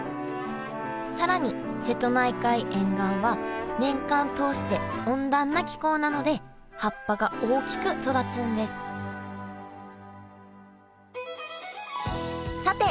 更に瀬戸内海沿岸は年間通して温暖な気候なので葉っぱが大きく育つんですさて